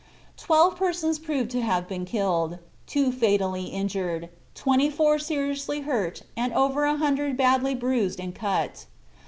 Twelve persons proved to have been killed, two fatally injured, twenty four seriously hurt and over a hundred badly bruised and cut.